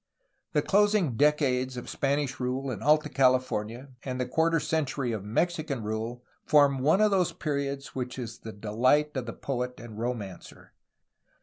The closing decades of Spanish rule in Alta California and the quarter century of Mexican rule form one of those periods which is the delight of the poet and romancer.